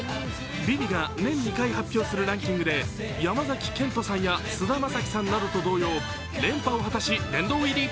「ＶｉＶｉ」が年２回発表するランキングで山崎賢人さんや菅田将暉さんなどと同様、連覇を果たし殿堂入り。